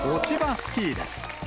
スキーです。